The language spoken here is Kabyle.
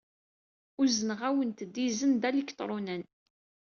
Uzneɣ-awent-d izen aliktṛunan.